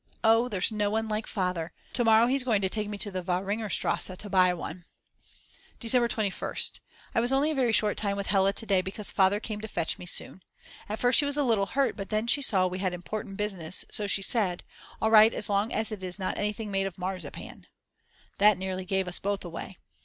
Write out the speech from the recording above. Oh there's no one like Father! To morrow he's going to take me to the Wahringerstrasse to buy one. December 21st. I was only a very short time with Hella to day because Father came to fetch me soon. At first she was a little hurt, but then she saw that we had important business so she said: All right as long as it is not anything made of marzipan. That nearly gave us both away.